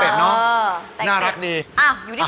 น่ารักดี